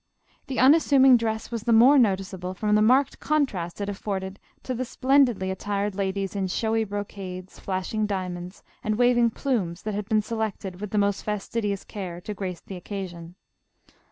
The unassuming dress was the more noticeable from the marked contrast it af forded to the splendidly attired ladies in showy bro cades, flashing diamonds and waving plumes that had been selected with the most fastidious care to grace the occasion.